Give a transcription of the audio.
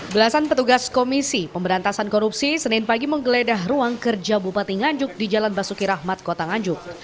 belasan petugas komisi pemberantasan korupsi senin pagi menggeledah ruang kerja bupati nganjuk di jalan basuki rahmat kota nganjuk